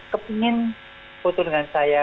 kepingin foto dengan saya